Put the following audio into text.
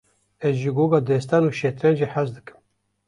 Ez ji goga destan û şetrencê hez dikim.